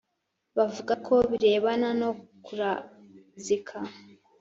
bavuga ku birebana no kurazika.